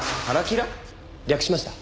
略しました。